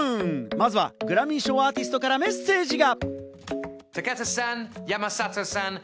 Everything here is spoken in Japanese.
まずはグラミー賞アーティストからメッセージが。